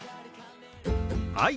はい。